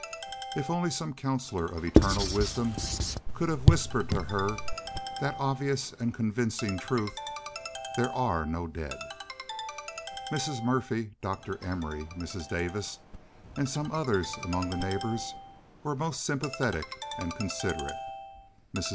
If only some counselor of eternal wisdom could have whispered to her that obvious and convincing truth—there are no dead. Miss Murfree, Dr. Emory, Mrs. Davis, and some others among the neighbors were most sympathetic and considerate. Mrs.